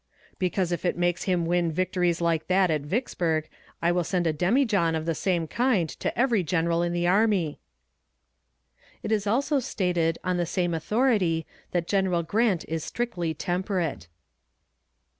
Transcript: "Because if it makes him win victories like that at Vicksburg, I will send a demijohn of the same kind to every general in the army." It is also stated on the same authority that General Grant is strictly temperate.